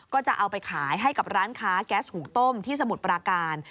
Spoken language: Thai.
ก็จะเอาไปขายให้กับร้านค้าแก๊สหุงต้มที่สมุทรปราการ